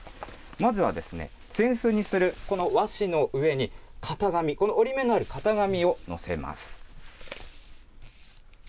まずは扇子にするこの和紙の上に、型紙、この折り目のある型紙を載せます。